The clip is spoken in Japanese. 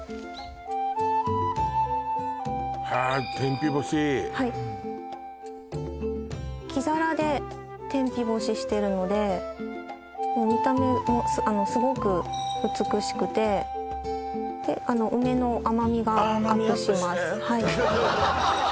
天日干しはい木ザラで天日干ししてるので見た目もすごく美しくてであの梅の甘みがアップします